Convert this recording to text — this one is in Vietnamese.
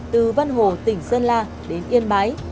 từ vân hồ tỉnh sơn la đến yên bái